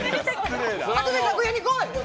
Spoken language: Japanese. あとで楽屋に来い！